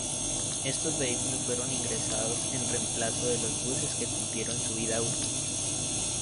Estos vehículos fueron ingresados en reemplazo de los buses que cumplieron su vida útil.